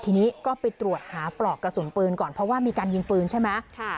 ทีนี้ก็ไปตรวจหาปลอกกระสุนปืนก่อนเพราะว่ามีการยิงปืนใช่ไหม